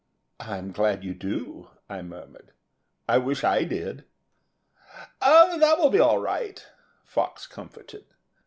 "I'm glad you do," I murmured. "I wish I did." "Oh, that will be all right," Fox comforted.